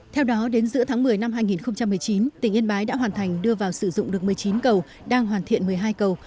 theo đó đến giữa tháng một mươi năm hai nghìn một mươi chín tỉnh yên bái đã hoàn thành đưa vào sử dụng được một mươi chín cầu đang hoàn thiện một mươi hai cầu